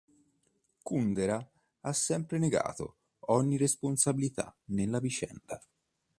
Kundera ha sempre negato ogni responsabilità nella vicenda.